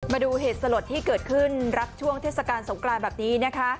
มาดูเหตุสลดที่เกิดขึ้นรับช่วงเทศกาลสงกรานแบบนี้นะคะ